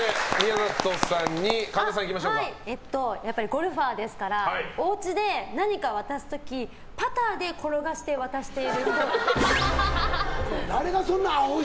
ゴルファーですからお家で何か渡す時パターで転がして渡しているっぽい。